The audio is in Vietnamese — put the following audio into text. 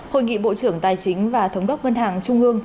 hội nghị bộ trưởng tài chính và thống đốc ngân hàng trung ương